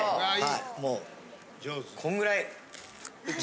もうこんぐらい塗って。